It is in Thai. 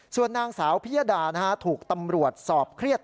ส่วนนางสาวพิยดาถูกตำรวจสอบเครียด